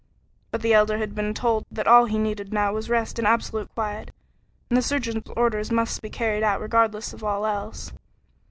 But the Elder had been told that all he needed now was rest and absolute quiet, and the surgeon's orders must be carried out regardless of all else.